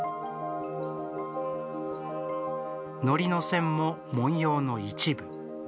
糊の線も文様の一部。